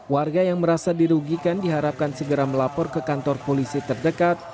warga yang merasa dirugikan diharapkan segera melapor ke kantor polisi terdekat